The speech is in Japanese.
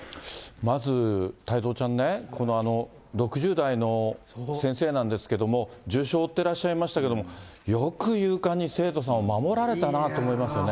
まず、太蔵ちゃんね、６０代の先生なんですけども、重傷を負ってらっしゃいましたけれども、よく勇敢に生徒さんを守られたなと思いますよね。